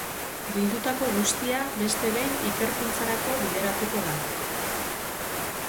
Bildutako guztia beste behin ikerkuntzarako bideratuko da.